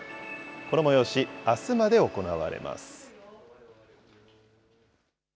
この催し、あすまで行われます。